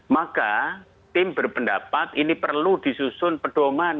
maka tim berpendapat ini perlu disusun pedoman